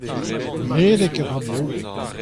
Redek a ra bro.